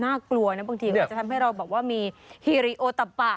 น่ากลัวน่าบางทีทำให้มีฮิริโอตอปะ